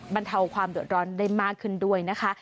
บรรเทาความเดือดร้อนได้มากขึ้นด้วยนะคะ